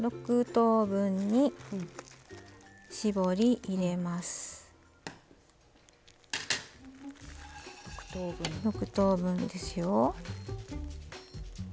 ６等分ですよ。